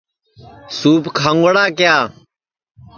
سُوپ کھاؤنگڑا کِیا